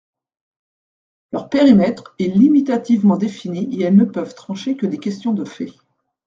Leur périmètre est limitativement défini et elles ne peuvent trancher que des questions de fait.